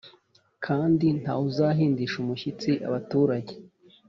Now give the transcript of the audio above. kandi nta wuzabihindisha umushyitsiabaturage